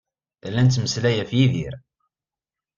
La nettmeslay ɣef Yidir.